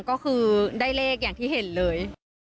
ก็คือได้เลขอย่างที่เห็นเลย